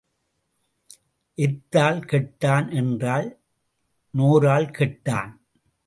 எத்தால் கெட்டான் என்றால் நோரால் கெட்டான்.